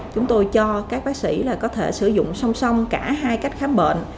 chúng tôi cho các bác sĩ có thể sử dụng song song cả hai cách khám bệnh